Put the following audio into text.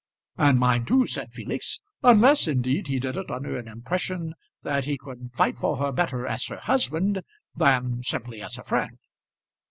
"And mine too," said Felix. "Unless indeed he did it under an impression that he could fight for her better as her husband than simply as a friend."